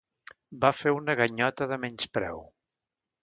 Va fer una ganyota de menyspreu.